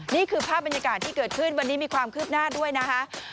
นี่คือภาพบรรยากาศที่เกิดขึ้นวันนี้มีความคืบหน้าด้วยนะคะ